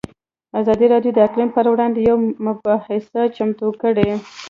ازادي راډیو د اقلیم پر وړاندې یوه مباحثه چمتو کړې.